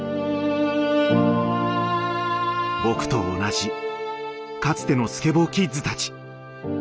僕と同じかつてのスケボーキッズたち。